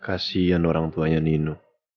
kasian orang tuanya nino